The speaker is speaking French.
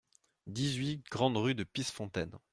dix-huit grande Rue de Pissefontaine